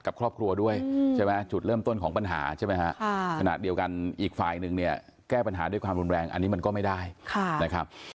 อันนี้มันก็ไม่ได้นะครับ